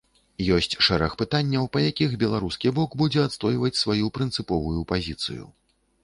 Ёсць шэраг пытанняў, па якіх беларускі бок будзе адстойваць сваю прынцыповую пазіцыю.